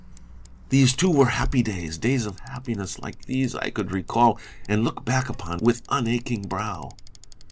These, too, were happy days : days of happiness like these I could recall and look back upon with unaching brow.